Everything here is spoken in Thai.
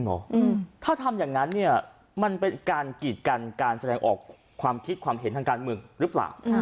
ถ้าทำอย่างนั้นเนี่ยมันเป็นการกีดกันการแสดงออกความคิดความเห็นทางการเมืองหรือเปล่า